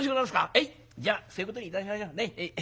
はいじゃあそういうことにいたしましょう。